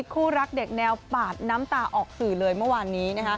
คู่รักเด็กแนวปาดน้ำตาออกสื่อเลยเมื่อวานนี้